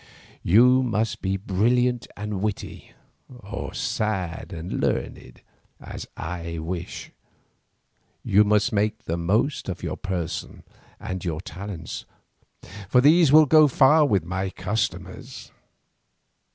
You must be brilliant and witty, or sad and learned, as I wish; you must make the most of your person and your talents, for these go far with my customers.